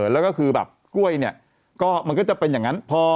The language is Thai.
แล้วก็คือแบบกล้วยเนี่ยก็มันก็จะเป็นอย่างนั้น